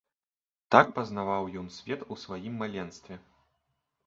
Так пазнаваў ён свет у сваім маленстве.